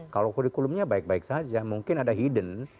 kalau kurikulumnya baik baik saja mungkin ada hidden